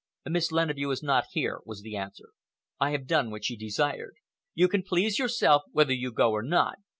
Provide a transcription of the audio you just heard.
"Miss Leneveu is not here," was the answer. "I have done what she desired. You can please yourself whether you go or not.